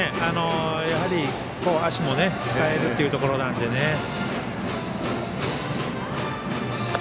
やはり足も使えるというところなのでね。